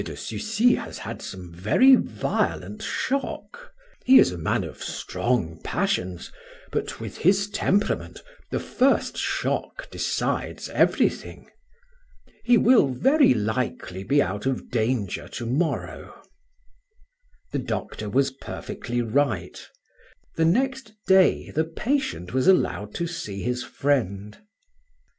de Sucy has had some very violent shock; he is a man of strong passions, but, with his temperament, the first shock decides everything. He will very likely be out of danger to morrow." The doctor was perfectly right. The next day the patient was allowed to see his friend.